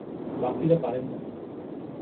বাকীরা পারেন না।